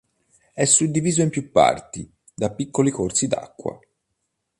È suddiviso in più parti da piccoli corsi d'acqua.